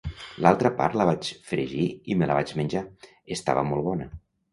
L'altra part la vaig fregir i me la vaig menjar, estava molt bona.